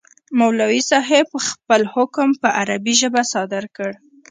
مولوي صاحب خپل حکم په عربي ژبه صادر کړ.